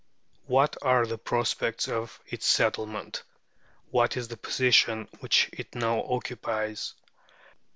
What are the prospects of its settlement? What is the position which it now occupies?